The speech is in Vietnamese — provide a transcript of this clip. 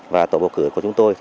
và tổ bầu cử của chúng tôi